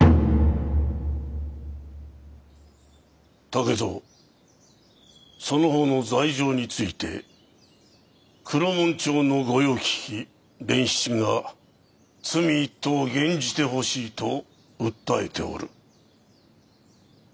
竹蔵その方の罪状について黒門町の御用聞き伝七が罪一等を減じてほしいと訴えておる。